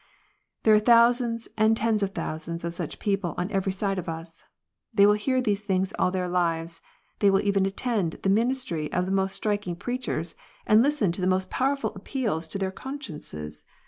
1 There are thousands and tens of thousands of such people on every side of us. They will hear these things all their lives. They will even attend the ministry of the most striking preachers, and listen to the most powerful appeals to their consciences.